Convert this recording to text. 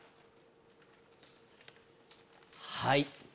はい。